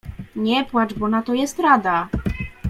— Nie płacz, bo na to jest rada.